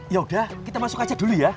yaudah kita masuk aja dulu ya